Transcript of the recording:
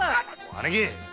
姉貴！